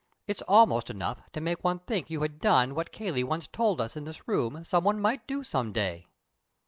It's almost enough to make one think you had done what Cayley once told us in this room some one might do some day."